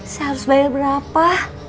saya harus bayar berapa